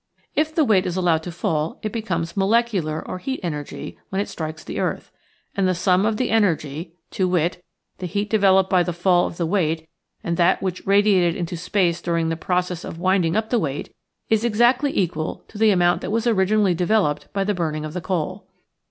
If the weight is allowed to fall it becomes molecular or heat energy when it strikes the earth; and the sum of the energy — to wit, the heat developed by the fall of the weight and that which radiated into space during the process of winding up the weight Original from UNIVERSITY OF WISCONSIN Zbe forces of nature. 31 — is exactly equal to the amount that was originally developed by the burning of the coal.